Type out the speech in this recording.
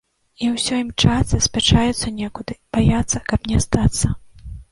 І ўсе імчацца, спяшаюцца некуды, баяцца, каб не астацца.